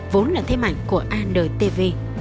vốn là thế mạnh của antv